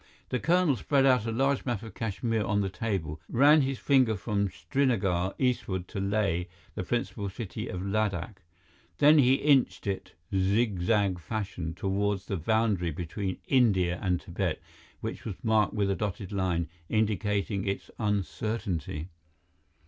The colonel spread a large map of Kashmir on the table, ran his finger from Srinagar eastward to Leh, the principal city of Ladakh. Then he inched it, zig zag fashion, toward the boundary between India and Tibet, which was marked with a dotted line, indicating its uncertainty.